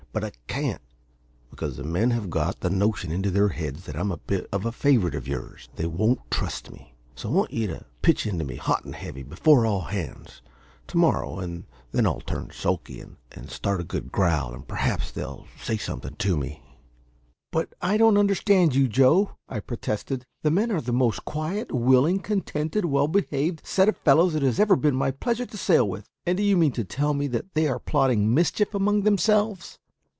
But I can't, because the men have got the notion into their heads that I'm a bit of a favourite of yours, and they won't trust me. So I want you to pitch into me, hot and heavy, before all hands, to morrow; and then I'll turn sulky, and start a good growl, and perhaps then they'll say something to me." "But I don't understand you, Joe," I protested. "The men are the most quiet, willing, contented, well behaved set of fellows it has ever been my pleasure to sail with; and do you mean to tell me that they are plotting mischief among themselves?"